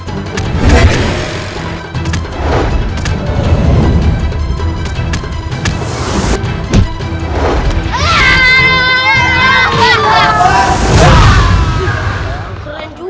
oh gini mereka